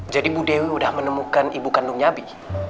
jadi ibu dewi udah menemukan ibu kandungnya ibi